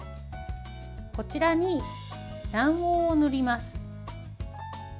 こちらに卵黄を塗ります。